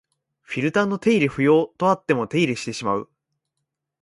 フィルターの手入れ不要とあっても手入れしてしまう